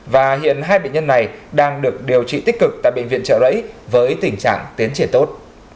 và hiện hai bệnh nhân này đang được điều trị tích cực tại bệnh viện trợ rẫy với tình trạng tiến triển tốt